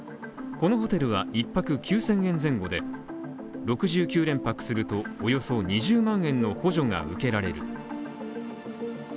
このホテルは１泊９０００円前後で６９連泊すると、およそ２０万円の補助が受けられる。